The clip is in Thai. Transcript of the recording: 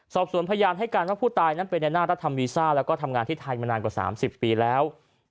สอบสวนพยานให้การว่าผู้ตายนั้นเป็นในหน้ารัฐธรรมวีซ่าแล้วก็ทำงานที่ไทยมานานกว่า๓๐ปีแล้ว